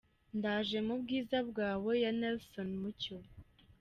Ndaje mu bwiza bwawe" ya Nelson Mucyo.